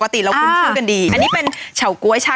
สวัสดีค่ะ